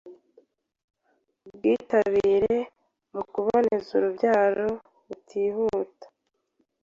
ubwitabire mu kuboneza urubyaro butihuta,